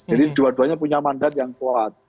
jadi dua duanya punya mandat yang kuat